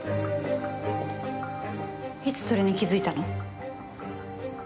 いつそれに気づいたの？